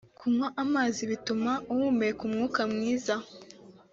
kunywa amazi bituma uhumeka umwuka mwiza